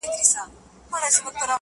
سونډان مي وسوځېدل _